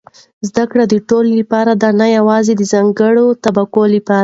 زده کړه د ټولو لپاره ده، نه یوازې د ځانګړو طبقو لپاره.